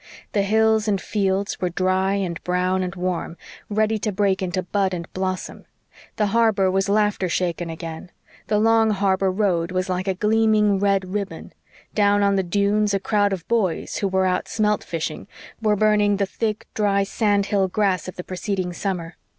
The hills and fields were dry and brown and warm, ready to break into bud and blossom; the harbor was laughter shaken again; the long harbor road was like a gleaming red ribbon; down on the dunes a crowd of boys, who were out smelt fishing, were burning the thick, dry sandhill grass of the preceding summer.